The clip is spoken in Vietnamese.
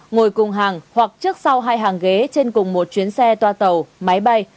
ngồi cùng hàng hoặc trước sau hai hàng ghế trên cùng một chuyến xe toa tàu máy bay